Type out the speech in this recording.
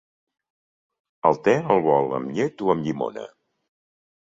El te el vol amb llet o amb llimona?